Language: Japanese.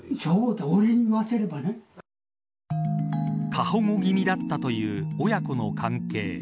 過保護気味だったという親子の関係。